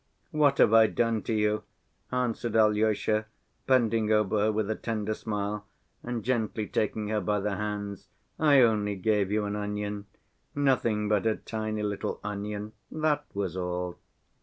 "What have I done to you?" answered Alyosha, bending over her with a tender smile, and gently taking her by the hands; "I only gave you an onion, nothing but a tiny little onion, that was all!"